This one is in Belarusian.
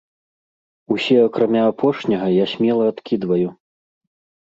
Усе акрамя апошняга я смела адкідваю.